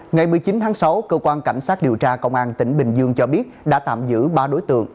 ngày một mươi chín tháng sáu cơ quan cảnh sát điều tra công an tỉnh bình dương cho biết đã tạm giữ ba đối tượng